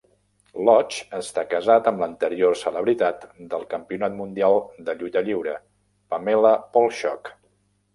Lodge està casat amb l'anterior celebritat del Campionat Mundial de Lluita Lliure, Pamela Paulshock.